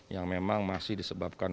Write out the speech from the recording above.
yang memang masih disebabkan